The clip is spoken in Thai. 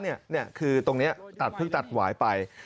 นี่อย่างคือตรงนี้ตัดวายไป